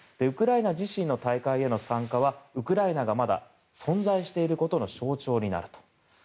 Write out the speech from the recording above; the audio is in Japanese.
ウクライナ自身の大会への参加はウクライナがまだ存在していることの象徴になると。